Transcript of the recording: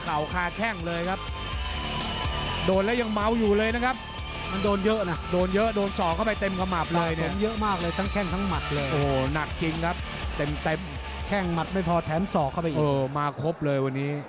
โอ้โหหนักจริงครับเต็มแข้งมัดไม่พอแถมศอกเข้าไปอีกโอ้โหมาครบเลยวันนี้